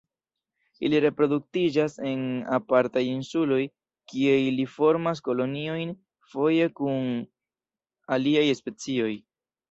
Ili reproduktiĝas en apartaj insuloj kie ili formas koloniojn foje kun aliaj specioj.